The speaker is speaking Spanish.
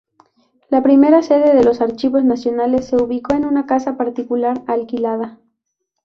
La primera sede de los Archivos Nacionales se ubicó en una casa particular alquilada.